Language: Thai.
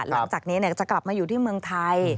หลังจากนี้จะกลับมาอยู่ที่เมืองไทย